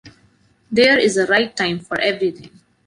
There is a right time for everything.